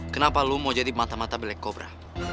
kenapa lu mau jadi mata mata black cobra